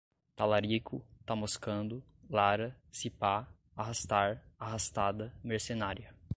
talarico, ta moscando, lara, se pá, arrastar, arrastada, mercenária